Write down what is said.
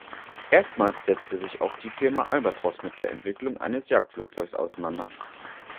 Erstmals setzte sich auch die Firma Albatros mit der Entwicklung eines Jagdflugzeugs auseinander.